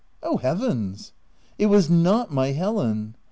O Heavens ! it was not my Helen